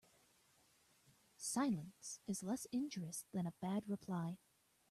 Silence is less injurious than a bad reply.